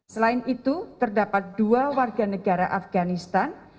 selain itu terdapat dua warga negara afganistan